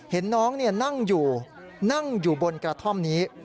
เห็นน้องนั่งอยู่นั่งอยู่บนกระท่อมนี้